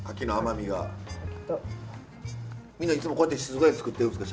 みんないつもこうやって静かに作ってるんですか？